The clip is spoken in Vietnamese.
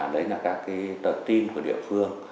đấy là các tờ tin của địa phương